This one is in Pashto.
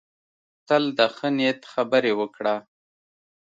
تل د ښه نیت خبرې وکړه.